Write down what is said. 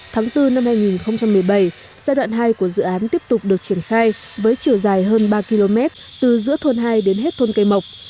tháng bốn năm hai nghìn một mươi bảy giai đoạn hai của dự án tiếp tục được triển khai với chiều dài hơn ba km từ giữa thôn hai đến hết thôn cây mộc